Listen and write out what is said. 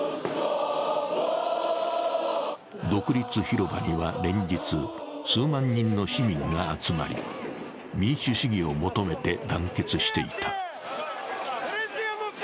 独立広場には連日、数万人の市民が集まり、民主主義を求めて団結していた。